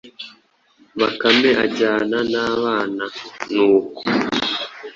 Bakame ajyana n’abana, Nuko